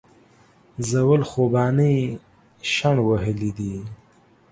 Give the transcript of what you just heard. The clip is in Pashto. زول خوبانۍ شڼ وهلي دي